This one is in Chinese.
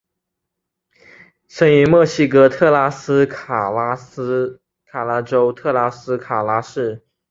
生于墨西哥特拉斯卡拉州特拉斯卡拉市。